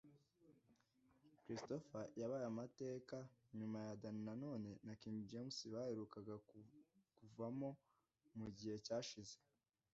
Christopher yabaye amateka nyuma ya Dany Nanone na King James baherukaga kuvamo mu gihe cyashize